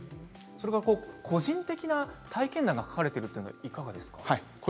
個人的な体験談が書かれているものはいかがですか。